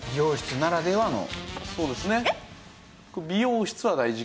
そうですね。